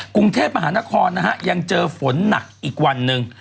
กรุงเทพมหานครนะฮะยังเจอฝนหนักอีกวันหนึ่ง